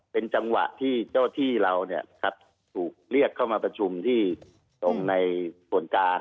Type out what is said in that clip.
เป็นจังหวะที่เจ้าที่เราถูกเรียกเข้ามาประชุมที่ตรงในส่วนกลาง